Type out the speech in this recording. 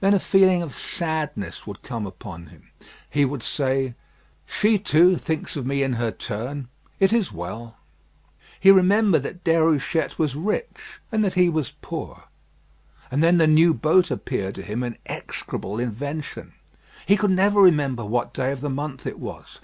Then a feeling of sadness would come upon him; he would say, "She, too, thinks of me in her turn. It is well." He remembered that Déruchette was rich, and that he was poor: and then the new boat appeared to him an execrable invention. He could never remember what day of the month it was.